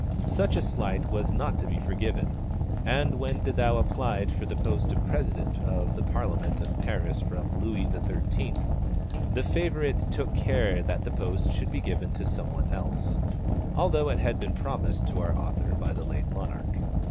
Such a slight was not to be forgiven, and when De Thou applied for the post of President of the Parliament of Paris from Louis XIII., the favourite took care that the post should be given to some one else, although it had been promised to our author by the late monarch.